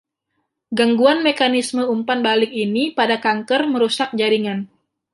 Gangguan mekanisme umpan balik ini pada kanker merusak jaringan.